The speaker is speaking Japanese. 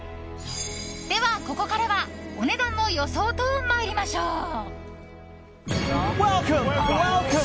では、ここからはお値段の予想と参りましょう。